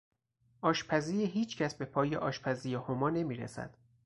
آشپزی هیچ کس به پای آشپزی هما نمیرسد.